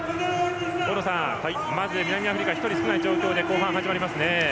大野さん、まず南アフリカは１人少ない状況で後半が始まりますね。